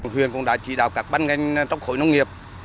huyền cũng đã chỉ đạo các ban ngành trong khối nông nghiệp